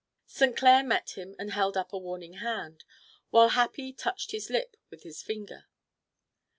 St. Clair met him and held up a warning hand, while Happy touched his lip with his finger.